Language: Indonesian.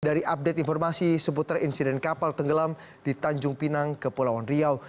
dari update informasi seputar insiden kapal tenggelam di tanjung pinang ke pulau andriau